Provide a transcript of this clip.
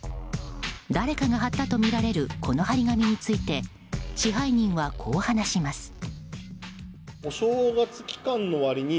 誰かが貼ったとみられるこの貼り紙について支配人はこう話します。